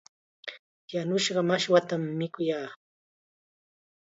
Yanushqa mashwatam mikuyaa.